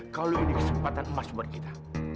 kalau ini kesempatan emas buat kita